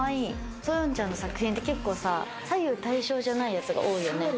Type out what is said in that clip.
Ｓｏｙｏｎちゃんの作品って、結構さ、左右対称じゃないやつが多いよね。